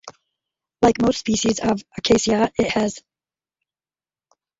Like most species of "Acacia" it has phyllodes rather that true leaves.